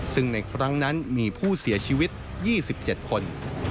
ซึ่งในครั้งนั้นมีผู้เสียชีวิต๒๗คน